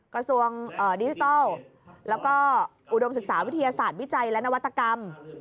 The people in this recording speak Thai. กระทรวงดิจิทัลแล้วก็อุดมศึกษาวิทยาศาสตร์วิจัยและนวัตกรรม